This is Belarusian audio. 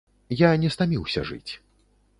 Я не стаміўся жыць.